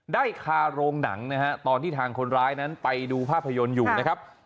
ได้คาโรงหนังนะฮะตอนที่ทางคนร้ายนั้นไปดูภาพยนตร์อยู่นะครับ